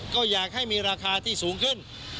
ก็อยากให้มีราคาที่สูงขึ้น